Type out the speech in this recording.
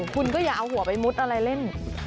คุณก็อย่าเอาหัวไปมุดอะไรเล่น